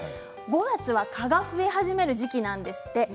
５月は、蚊が増え始める時期なんですって。